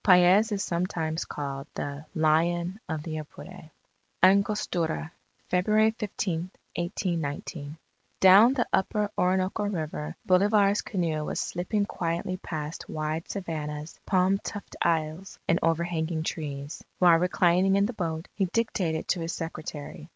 Paez is sometimes called the "Lion of the Apure." ANGOSTURA February 15, 1819 Down the upper Orinoco River, Bolivar's canoe was slipping quietly past wide savannahs, palm tufted isles, and overhanging trees. While reclining in the boat, he dictated to his secretary.